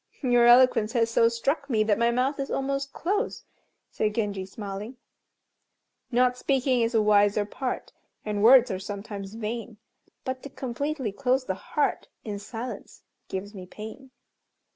"Your eloquence has so struck me that my mouth is almost closed," said Genji, smiling "Not speaking is a wiser part, And words are sometimes vain, But to completely close the heart In silence, gives me pain."